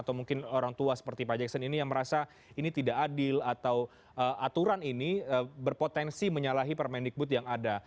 atau mungkin orang tua seperti pak jackson ini yang merasa ini tidak adil atau aturan ini berpotensi menyalahi permendikbud yang ada